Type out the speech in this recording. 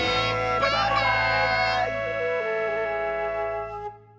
バイバーイ！